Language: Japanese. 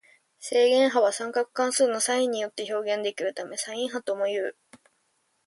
正弦波は三角関数のサインによって表現できるためサイン波ともいう。